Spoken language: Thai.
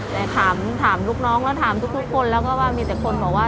แต่ถามลูกน้องแล้วถามทุกคนแล้วก็ว่า